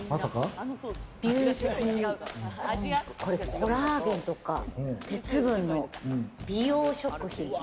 コラーゲンとか鉄分の美容食品。